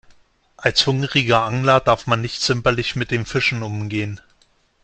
Als hungriger Angler darf man nicht zimperlich mit den Fischen umgehen.